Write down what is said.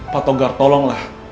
pak togar tolonglah